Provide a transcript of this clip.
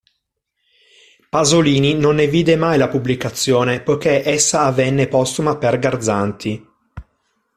Pasolini non ne vide mai la pubblicazione, poiché essa avvenne postuma per Garzanti.